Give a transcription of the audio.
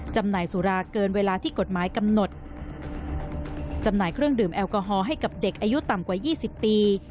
จำหน่ายสุราเกินเวลาที่กฎหมายกำหนดจำหน่ายเครื่องดื่มแอลกอฮอลให้กับเด็กอายุต่ำกว่ายี่สิบปี